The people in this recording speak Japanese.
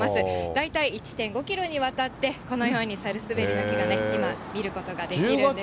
大体１．５キロにわたってこのようにサルスベリの木がね、今、見ることができるんです。